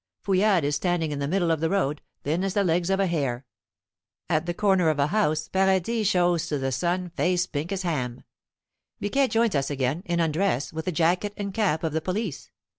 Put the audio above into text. Fouillade is standing in the middle of the road, thin as the legs of a hare. At the corner of a house Paradis shows to the sun face pink as ham. Biquet joins us again, in undress, with a jacket and cap of the police.